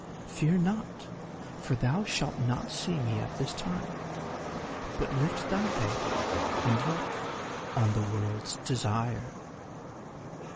Fear not, for thou shalt not see me at this time, but lift thy head and look on The World's Desire!"